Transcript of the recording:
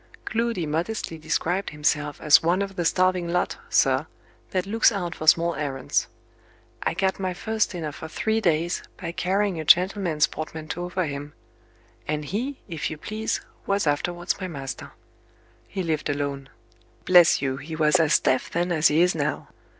Gloody modestly described himself as "one of the starving lot, sir, that looks out for small errands. I got my first dinner for three days, by carrying a gentleman's portmanteau for him. And he, if you please, was afterwards my master. He lived alone. Bless you, he was as deaf then as he is now.